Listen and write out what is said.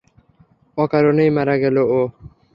অকারণেই মারা গেল ও।